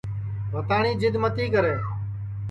بھتاٹؔیں جِد متی کرے